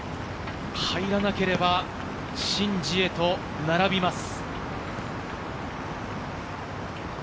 入らなければ、シン・ジエと並びます。